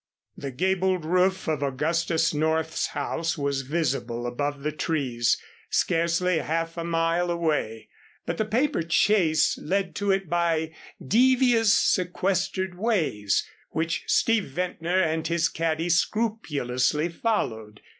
The gabled roof of Augustus North's house was visible above the trees scarcely half a mile away, but the paper chase led to it by devious, sequestered ways, which Steve Ventnor and his caddy scrupulously followed.